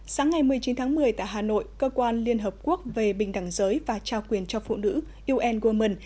sáng ngày một mươi chín tháng một mươi tại hà nội cơ quan liên hợp quốc về bình đẳng giới và trao quyền cho phụ nữ un women